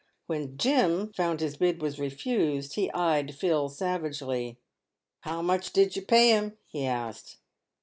When Jim found his bid was refused, he eyed Phil savagely. " How much did you pay him ?" he asked.